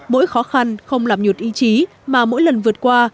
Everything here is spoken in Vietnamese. mỗi khó khăn không làm nhụt ý chí mà mỗi lần vượt qua